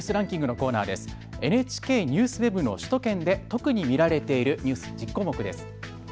ＮＨＫＮＥＷＳＷＥＢの首都圏で特に見られているニュース１０項目です。